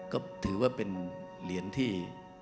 ก็ถือว่าเป็นเหรียญที่